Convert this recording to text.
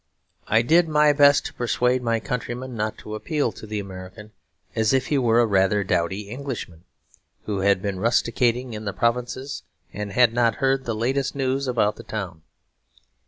I did my best to persuade my countrymen not to appeal to the American as if he were a rather dowdy Englishman, who had been rusticating in the provinces and had not heard the latest news about the town.